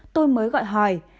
tôi mới gọi hỏi